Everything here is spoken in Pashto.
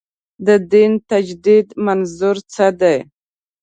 د دین تجدید منظور څه دی.